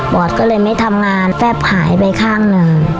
อดก็เลยไม่ทำงานแป๊บหายไปข้างหนึ่ง